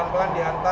ke tempat yang kita